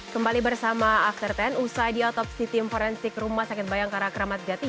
kembali bersama after sepuluh usai di otopsi tim forensik rumah sakit bayang karakramat jati